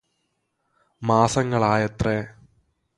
മാസങ്ങളായത്രേ